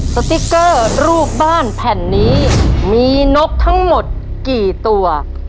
สติ๊กเกอร์รูปบ้านแผ่นนี้มีนกทั้งหมดกี่ตัว